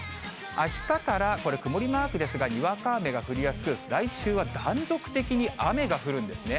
あしたから、これ、曇りマークですが、にわか雨が降りやすく、来週は断続的に雨が降るんですね。